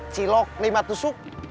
cilok lima tusuk